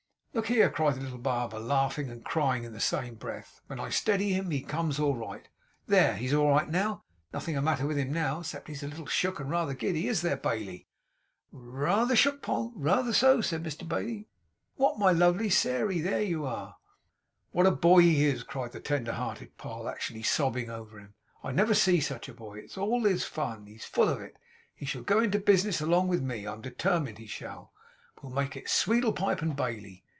'Look here!' cried the little barber, laughing and crying in the same breath. 'When I steady him he comes all right. There! He's all right now. Nothing's the matter with him now, except that he's a little shook and rather giddy; is there, Bailey?' 'R r reether shook, Poll reether so!' said Mr Bailey. 'What, my lovely Sairey! There you air!' 'What a boy he is!' cried the tender hearted Poll, actually sobbing over him. 'I never see sech a boy! It's all his fun. He's full of it. He shall go into the business along with me. I am determined he shall. We'll make it Sweedlepipe and Bailey.